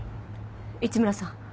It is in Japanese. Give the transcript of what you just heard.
市村さん。